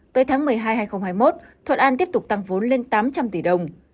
tới tháng một mươi hai hai nghìn hai mươi một thuận an tiếp tục tăng vốn lên tám trăm linh tỷ đồng